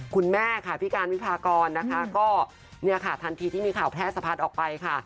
คุณแม่ค่ะพิการวิพากรนะคะก็ทันทีที่มีข่าวแพทย์สะพัดออกไปค่ะ